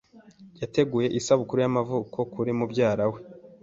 Yateguye isabukuru y'amavuko kuri mubyara we.